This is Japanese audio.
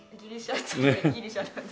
ギリシャなので。